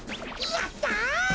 やった！